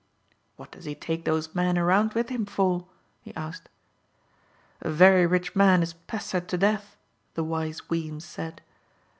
"What does he take those men around with him for?" he asked. "A very rich man is pestered to death," the wise Weems said.